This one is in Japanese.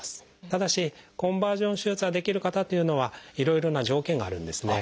ただしコンバージョン手術ができる方というのはいろいろな条件があるんですね。